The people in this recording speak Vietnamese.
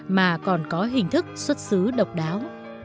mà còn có hình thức xuất xứ độc đáo